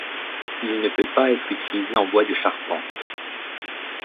Il ne peut pas être utilisé en bois de charpente.